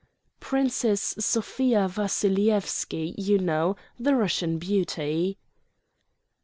"... Princess Sofia Vassilyevski, you know, the Russian beauty."